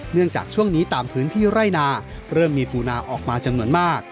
จากช่วงนี้ตามพื้นที่ไร่นาเริ่มมีปูนาออกมาจำนวนมาก